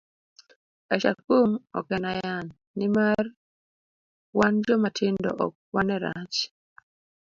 Ashakum ok en ayany, nimar wan joma tindo ok wane rach.